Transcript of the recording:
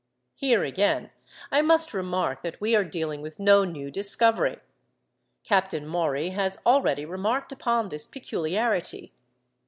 Here, again, I must remark that we are dealing with no new discovery. Captain Maury has already remarked upon this peculiarity.